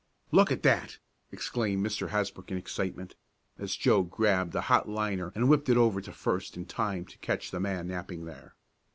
"Look at that!" exclaimed Mr. Hasbrook, in excitement, as Joe grabbed a hot liner and whipped it over to first in time to catch the man napping there.